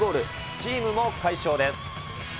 チームも快勝です。